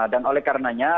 dan oleh karenanya